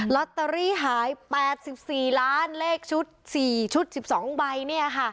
ล็อตเตอรี่หายแปดสิบสี่ล้านเลขชุดสี่ชุดสิบสองใบเนี่ยค่ะ